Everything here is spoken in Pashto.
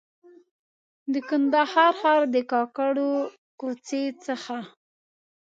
د کندهار ښار د کاکړو کوڅې څخه.